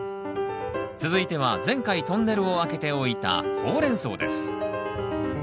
続いては前回トンネルを開けておいたホウレンソウです